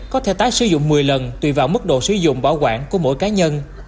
có thể tái sử dụng một mươi lần tùy vào mức độ sử dụng bảo quản của mỗi cá nhân